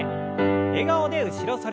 笑顔で後ろ反り。